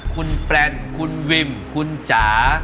คุณแปลนคุณวิมคุณจ๋า